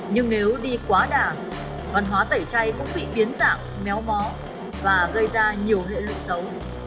nhưng nếu đi quá đà văn hóa tẩy chay cũng bị biến dạng méo mó và gây ra nhiều hệ lụy xấu